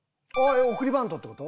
送りバントって事？